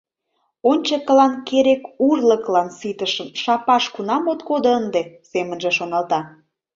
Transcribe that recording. Ончыкылан керек урлыклан ситышым шапаш кунам от кодо ынде!» — семынже шоналта.